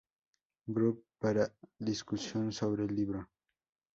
Group para discusión sobre el libro.